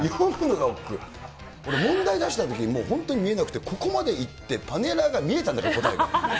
これ、問題出したときに本当に見えなくて、ここまで行って、パネラーが見えたんだから、答えが。